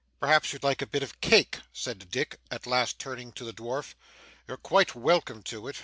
'Perhaps you'd like a bit of cake' said Dick, at last turning to the dwarf. 'You're quite welcome to it.